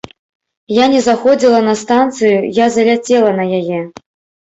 Я не заходзіла на станцыю, я заляцела на яе.